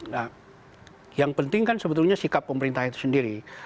nah yang penting kan sebetulnya sikap pemerintah itu sendiri